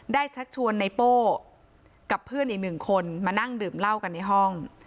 ชักชวนไนโป้กับเพื่อนอีกหนึ่งคนมานั่งดื่มเหล้ากันในห้อง